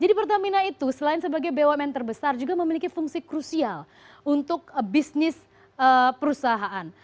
jadi pertamina itu selain sebagai bumn terbesar juga memiliki fungsi krusial untuk bisnis perusahaan